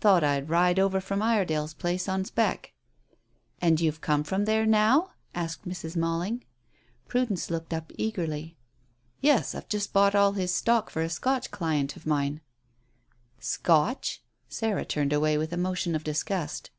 Thought I'd ride over from Iredale's place on spec'." "And you're come from there now?" asked Mrs. Malling. Prudence looked up eagerly. "Yes; I've just bought all his stock for a Scotch client of mine." "Scotch?" Sarah turned away with a motion of disgust.